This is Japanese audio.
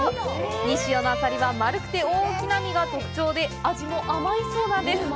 西尾のあさりは丸くて大きな身が特徴で味も甘いそうなんです。